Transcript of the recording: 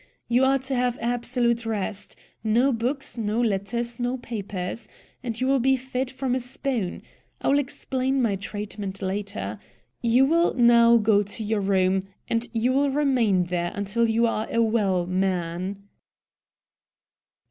You are to have absolute rest no books, no letters, no papers. And you will be fed from a spoon. I will explain my treatment later. You will now go to your room, and you will remain there until you are a well man."